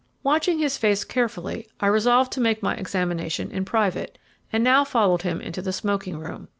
Watching his face carefully, I resolved to make my examination in private, and now followed him into the smoking room.